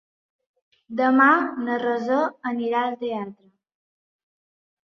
Demà na Rosó anirà al teatre.